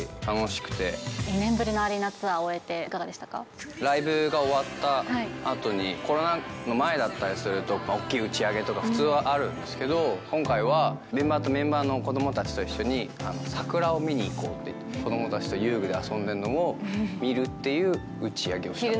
２年ぶりのアリーナツアーをライブが終わったあとにコロナの前だったりすると、大きい打ち上げとか普通はあるんですけど、今回はメンバーとメンバーの子どもたちと一緒に、桜を見に行こうって、子どもたちと遊具で遊んでるのを見るっていう打ち上げをした。